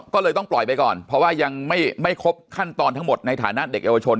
ก็เลยต้องปล่อยไปก่อนเพราะว่ายังไม่ครบขั้นตอนทั้งหมดในฐานะเด็กเยาวชน